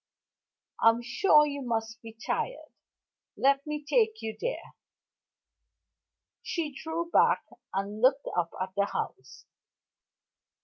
I'm sure you must be tired let me take you there." She drew back, and looked up at the house.